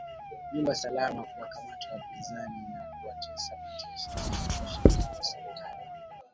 Nyumba salama kuwakamata wapinzani na kuwatesa mateka bila ushirika wa serekali